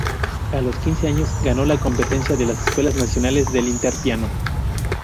A los quince años, ganó la competencia de las escuelas nacionales del "Inter Piano".